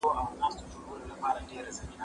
زه اجازه لرم چي درسونه اورم!!